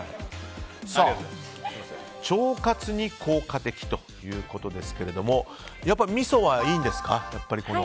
腸活に効果的ということですがやっぱりみそはいいんですか？